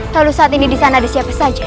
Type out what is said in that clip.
kalau saat ini di sana ada siapa saja